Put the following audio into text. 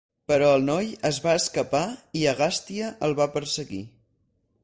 Però el noi es va escapar i Agastia el va perseguir.